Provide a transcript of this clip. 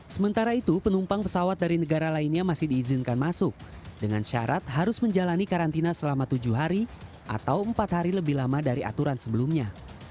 sementara itu penumpang pesawat dari negara lainnya masih diizinkan masuk dengan syarat harus menjalani karantina selama tujuh hari atau empat hari lebih lama dari aturan sebelumnya